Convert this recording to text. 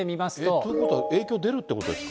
ということは影響出るっていうことですか？